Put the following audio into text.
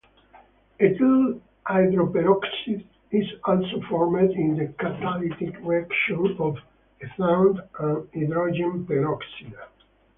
Ethyl hydroperoxide is also formed in the catalytic reaction of ethane and hydrogen peroxide.